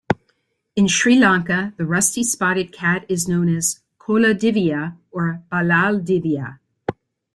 In Sri Lanka, the rusty-spotted cat is known as "kola diviya" or "balal diviya".